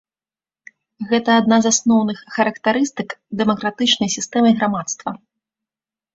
Гэта адна з асноўных характарыстык дэмакратычнай сістэмы грамадства.